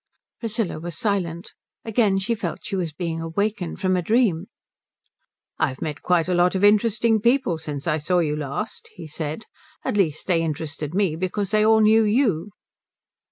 Priscilla was silent. Again she felt she was being awakened from a dream. "I've met quite a lot of interesting people since I saw you last," he said. "At least, they interested me because they all knew you."